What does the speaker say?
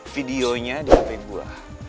video nya di hp gue